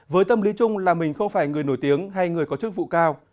với tâm lý chung là mình không phải người nổi tiếng hay người có chức vụ cao